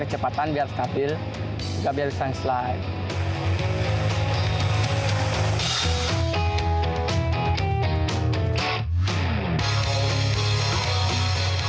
kecepatan biar stabil juga biar bisa nge slide